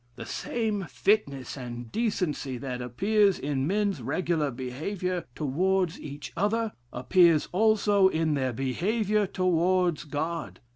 The same fitness and decency that appears in men's regular behavior towards each other, appears also in their behavior towards God.